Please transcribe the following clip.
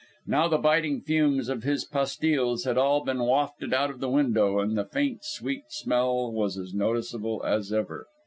Now the biting fumes of his pastilles had all been wafted out of the window and the faint sweet smell was as noticeable as ever.